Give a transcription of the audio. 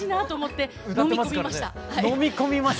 はい飲み込みました。